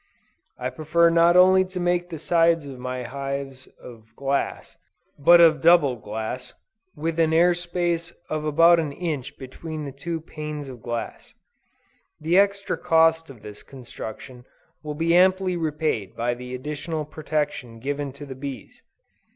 I prefer not only to make the sides of my hive of glass, but of double glass, with an air space of about an inch between the two panes of glass. The extra cost of this construction will be amply repaid by the additional protection given to the bees.